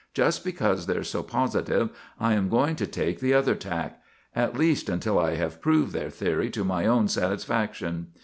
Just because they're so positive, I am going to take the other tack; at least until I have proved their theory to my own satisfaction.